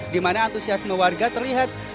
dimana antusiasme warga terlihat juga cukup keras